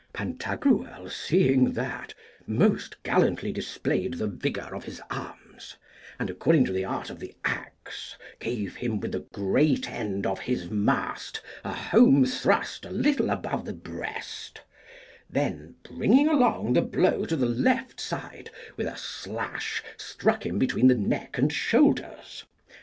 Pantagruel, seeing that, most gallantly displayed the vigour of his arms, and, according to the art of the axe, gave him with the great end of his mast a homethrust a little above the breast; then, bringing along the blow to the left side, with a slash struck him between the neck and shoulders.